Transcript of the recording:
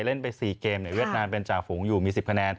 เล่นไป๔เกมเวียดนามเป็นจ่าฝูงอยู่มี๑๐คะแนน